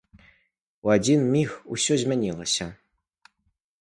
У адзін міг усё змянілася.